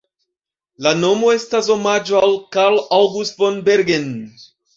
La nomo estas omaĝo al Karl August von Bergen.